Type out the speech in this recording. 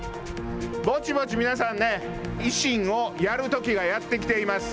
ぼちぼち皆さんね、維新をやるときがやってきています。